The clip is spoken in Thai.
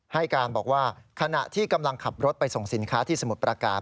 ให้การบอกว่าขณะที่กำลังขับรถไปส่งสินค้าที่สมุทรประการ